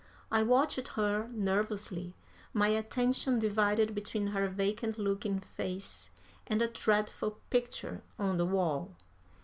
I watched her nervously, my attention divided between her vacant looking face and a dreadful picture on the wall.